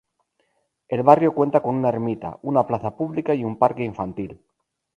El barrio cuenta con una ermita, una plaza pública y un parque infantil.